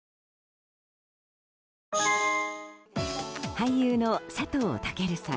俳優の佐藤健さん